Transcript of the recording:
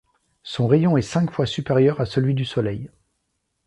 Son rayon est cinq fois supérieur à celui du Soleil.